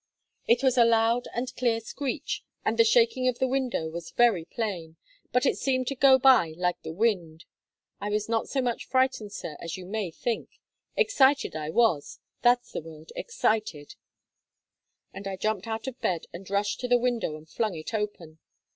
It was a loud and clear screech, and the shaking of the window was very plain, but it seemed to go by like the wind. I was not so much frightened, sir, as you may think; excited I was that's the word excited; and I jumped out of bed and rushed to the window and flung it open.